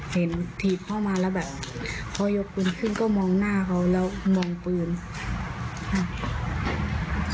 ถีบเข้ามาแล้วแบบเขายกปืนขึ้นก็มองหน้าเขาแล้วมองปืนค่ะ